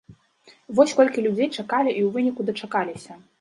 Вось колькі людзі чакалі і ў выніку дачакаліся!